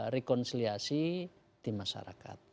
rekonsiliasi di masyarakat